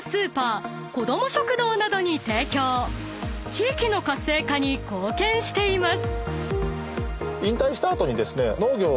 ［地域の活性化に貢献しています］